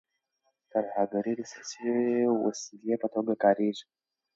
ترهګري د سیاسي وسیلې په توګه کارېږي.